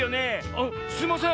「あっすいません